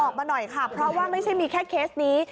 ออกมาหน่อยค่ะเพราะว่าไม่ใช่มีแค่เคสนี้